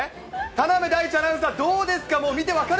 田辺大智アナウンサー、どうですか？